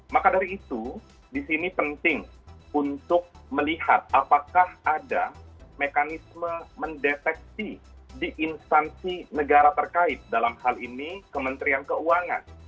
maka dari itu di sini penting untuk melihat apakah ada mekanisme mendeteksi di instansi negara terkait dalam hal ini kementerian keuangan